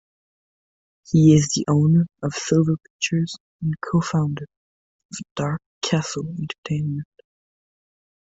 He is the owner of Silver Pictures and co-founder of Dark Castle Entertainment.